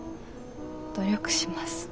努力します。